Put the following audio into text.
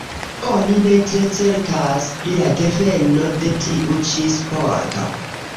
Oni ne tre certas pri la deveno de tiu ĉi sporto.